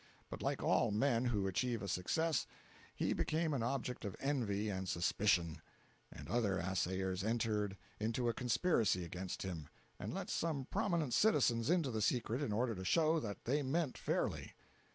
But like all men who achieve success, he became an object of envy and suspicion. The other assayers entered into a conspiracy against him, and let some prominent citizens into the secret in order to show that they meant fairly.